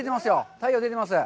太陽が出ています。